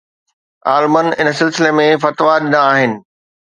عالمن ان سلسلي ۾ فتوا ڏنا آهن